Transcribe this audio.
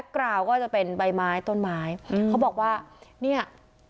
กราวก็จะเป็นใบไม้ต้นไม้อืมเขาบอกว่าเนี่ย